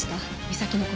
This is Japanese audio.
岬の事。